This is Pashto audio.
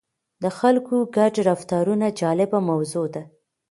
د خلکو ګډ رفتارونه جالبه موضوع ده.